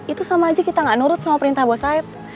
itu sama aja kita gak nurut sama perintah buat saya